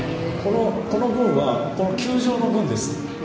この分はこの球場の分ですと。